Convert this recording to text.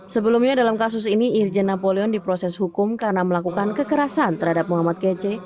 sebelumnya dalam kasus ini irjen napoleon diproses hukum karena melakukan kekerasan terhadap muhammad kc